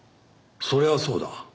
そりゃそうだ。